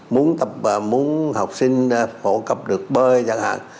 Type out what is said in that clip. muốn học sinh phổ cập được bơi chẳng hạn